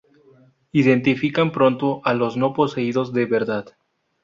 Identifican pronto a los no poseídos de verdad.